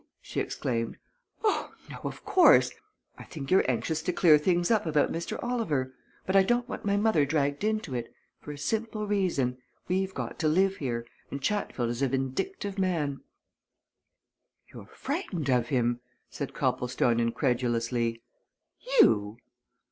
she exclaimed. "Oh, no! of course. I think you're anxious to clear things up about Mr. Oliver. But I don't want my mother dragged into it for a simple reason. We've got to live here and Chatfield is a vindictive man." "You're frightened of him?" said Copplestone incredulously. "You!"